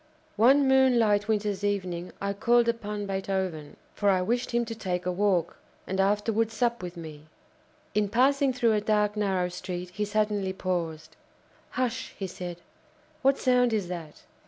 One moonlight winter's evening I called upon Beethoven; for I wished him to take a walk, and afterwards sup with me. In passing through a dark, narrow street, he suddenly paused. "Hush!" he said, "what sound is that?